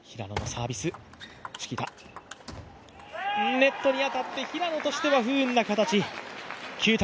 ネットに当たって平野としては不運な形。